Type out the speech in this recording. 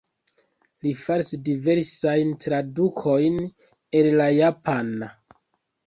Li faris diversajn tradukojn el la japana.